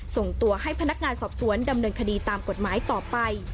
ส่งตัวให้พนักงานสอบสวนดำเนินคดีตามกฎหมายต่อไป